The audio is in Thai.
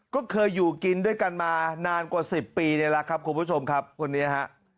ก็เคยอยู่กินด้วยกันมานานกว่า๑๐ปีนี่แหละครับคุณผู้ชมครับคนนี้ฮะ